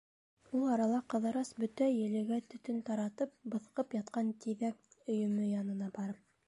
Ул арала Ҡыҙырас, бөтә елегә төтөн таратып быҫҡып ятҡан тиҙәк өйөмө янына барып: